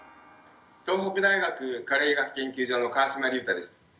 東北大学加齢医学研究所の川島隆太です。